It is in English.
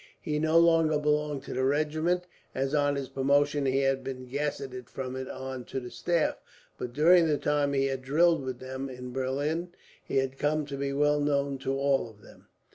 He no longer belonged to the regiment, as on his promotion he had been gazetted from it on to the staff; but during the time he had drilled with them, in Berlin, he had come to be well known to all of them.